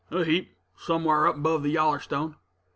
"A heap; somewhar up 'bove the Yallerstone."